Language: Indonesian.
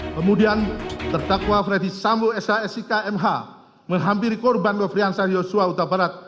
kemudian terdakwa freddy sambo shsi kmh menghampiri korban nofriansah yosua utabarat